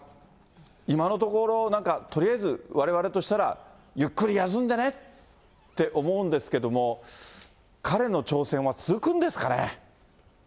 今のところ、なんかとりあえず、われわれとしたら、ゆっくり休んでねって思うんですけども、彼の挑戦は続くんですかね。